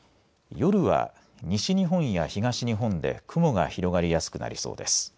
夜は西日本や東日本で雲が広がりやすくなりそうです。